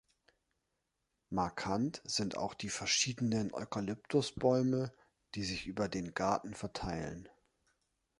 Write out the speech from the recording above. Markant sind auch die verschiedenen Eukalyptus-Bäume, die sich über den Garten verteilen.